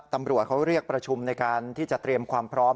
ตำรวจเขาเรียกประชุมในการที่จะเตรียมความพร้อม